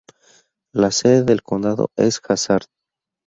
La sede del condado es Hazard.